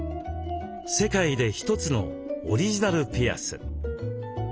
世界で一つのオリジナルピアス。